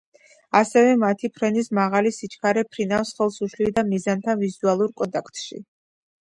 ასევე, მათი ფრენის მაღალი სიჩქარე მფრინავს ხელს უშლიდა მიზანთან ვიზუალურ კონტაქტში.